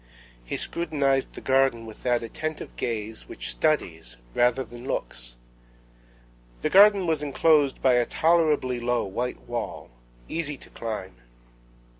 He scrutinized the garden with that attentive gaze which studies rather than looks. The garden was enclosed by a tolerably low white wall, easy to climb.